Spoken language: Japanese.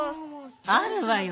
あるわよ。